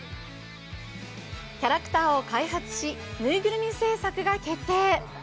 キャラクターを開発し、ぬいぐるみ制作が決定。